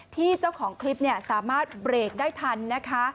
เจ้าของคลิปสามารถเบรกได้ทันนะคะ